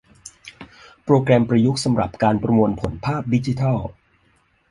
โปรแกรมประยุกต์สำหรับการประมวลผลภาพดิจิทัล